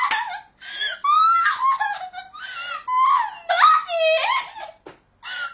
マジ！？